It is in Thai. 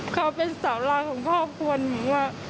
เขาเป็นสาวร่างของพ่อพวกหนู